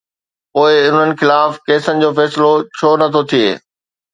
پوءِ انهن خلاف ڪيسن جو فيصلو ڇو نه ٿو ٿئي؟